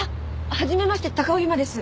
はじめまして高尾由真です。